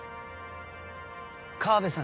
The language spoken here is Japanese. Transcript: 河部さん